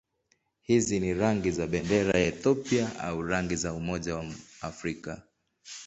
Hizi ni rangi za bendera ya Ethiopia au rangi za Umoja wa Afrika.